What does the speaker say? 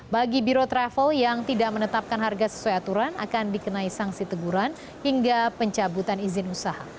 bagi biro travel yang tidak menetapkan harga sesuai aturan akan dikenai sanksi teguran hingga pencabutan izin usaha